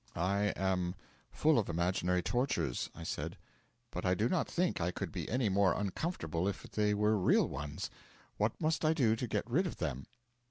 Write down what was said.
'I am full of imaginary tortures,' I said, 'but I do not think I could be any more uncomfortable if they were real ones. What must I do to get rid of them?'